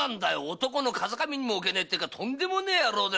男の風上にも置けねえとんでもねえ野郎で。